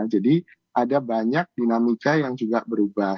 jadi ada banyak dinamika yang juga berubah